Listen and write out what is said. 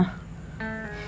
kamu itu ngelamunnya